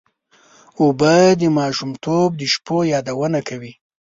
اوبه د ماشومتوب د شپو یادونه کوي.